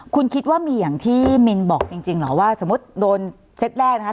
คุณคิดว่ามีอย่างที่มินบอกจริงเหรอว่าสมมุติโดนเซ็ตแรกนะคะ